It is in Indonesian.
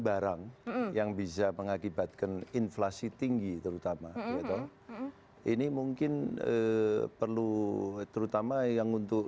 barang yang bisa mengakibatkan inflasi tinggi terutama gitu ini mungkin perlu terutama yang untuk